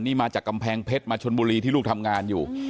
นี่มาจากกำแพงเพชรมาชนบุรีที่ลูกทำงานอยู่